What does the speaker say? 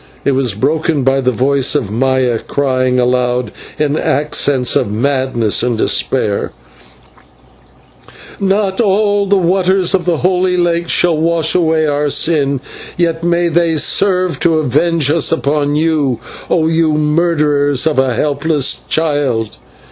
It was broken by the voice of Maya, crying aloud, in accents of madness and despair "Not all the waters of the Holy Lake shall wash away our sin, yet may they serve to avenge us upon you, O you murderers of a helpless child!"